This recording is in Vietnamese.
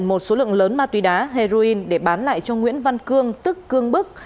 một số lượng lớn ma túy đá heroin để bán lại cho nguyễn văn cương tức cương bức